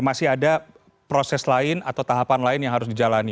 masih ada proses lain atau tahapan lain yang harus dijalani